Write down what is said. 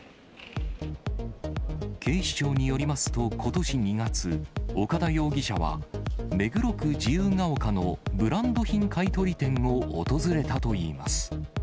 警視庁によりますと、ことし２月、岡田容疑者は目黒区自由が丘のブランド品買い取り店を訪れたといいます。